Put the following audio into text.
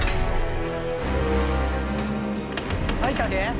開いたで！